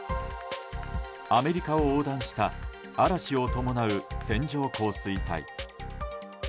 アメリカを横断した嵐を伴う線状降水帯。